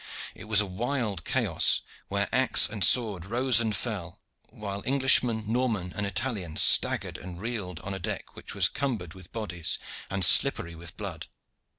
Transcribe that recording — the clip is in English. It was a wild chaos where axe and sword rose and fell, while Englishman, Norman, and Italian staggered and reeled on a deck which was cumbered with bodies and slippery with blood.